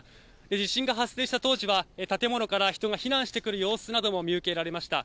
地震が発生した当時は建物から人が避難してくる様子なども見受けられました。